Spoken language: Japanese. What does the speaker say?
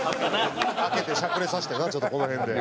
開けてしゃくれさせてなちょっとこの辺で。